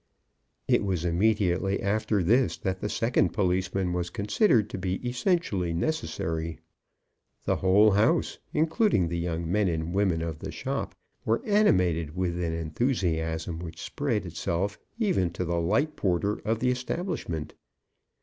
It was immediately after this that the second policeman was considered to be essentially necessary. The whole house, including the young men and women of the shop, were animated with an enthusiasm which spread itself even to the light porter of the establishment.